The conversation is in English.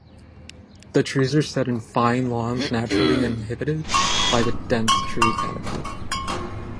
The trees are set in fine lawns naturally inhibited by the dense tree canopy.